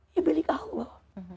ya milik allah